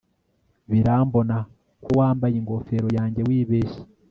Birambona ko wambaye ingofero yanjye wibeshye